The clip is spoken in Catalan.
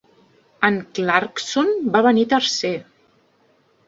En Clarkson va venir tercer.